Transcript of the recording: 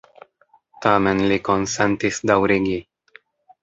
Tamen li konsentis daŭrigi.